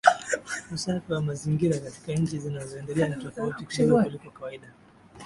Usafi wa mazingira katika nchi zinazoendelea ni tofauti kidogo kuliko kawaida